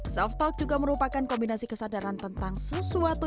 self talk juga merupakan kombinasi kesadaran tentang sesuatu